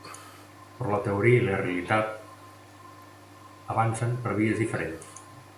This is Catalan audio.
Però la teoria i la realitat avancen per vies diferents.